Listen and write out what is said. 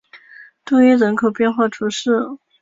杜伊人口变化图示